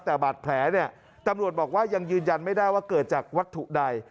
แต่บาดแผลเนี่ยตำรวจบอกว่ายังยืนยันไม่ได้ว่าเกิดจากวัตถุใด